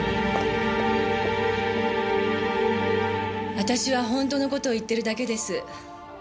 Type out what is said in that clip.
私は本当の事を言ってるだけです。